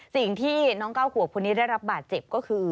สิ่งที่น้อง๙ขวบคนนี้ได้รับบาดเจ็บก็คือ